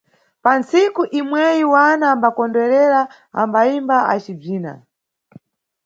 Pantsiku imweyi wana ambakondwerera: ambayimba acibzina.